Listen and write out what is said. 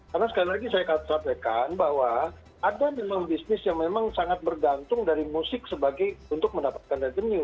karena sekali lagi saya sampaikan bahwa ada memang bisnis yang memang sangat bergantung dari musik sebagai untuk mendapatkan revenue